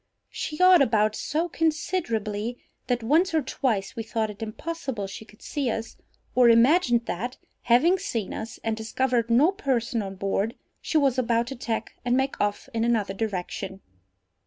She yawed about so considerably, that once or twice we thought it impossible she could see us, or imagined that, having seen us, and discovered no person on board, she was about to tack and make off in another direction.